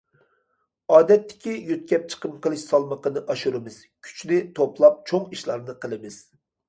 ئادەتتىكى يۆتكەپ چىقىم قىلىش سالمىقىنى ئاشۇرىمىز، كۈچنى توپلاپ چوڭ ئىشلارنى قىلىمىز.